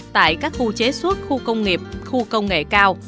tại các khu chế xuất khu công nghiệp khu công nghệ cao